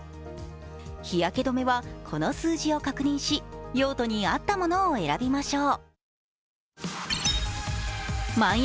日焼け止めはこの数字を確認し用途に合ったものを選びましょう。